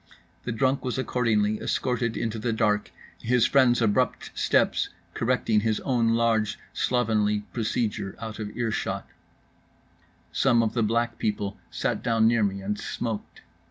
The drunk was accordingly escorted into the dark, his friends' abrupt steps correcting his own large slovenly procedure out of earshot…. Some of the Black People sat down near me and smoked.